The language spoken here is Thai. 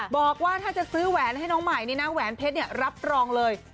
บอกว่าถ้าจะซื้อแหวนให้น้องใหม่นี่นะแหวนเพชรรับรองเลย